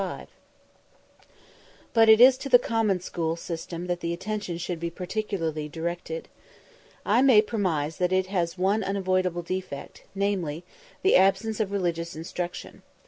But it is to the common school system that the attention should be particularly directed. I may premise that it has one unavoidable defect, namely, the absence of religious instruction.